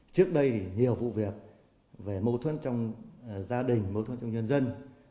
trước đây nhiều vụ việc về mâu thuẫn trong gia đình mâu thuẫn trong nhân dân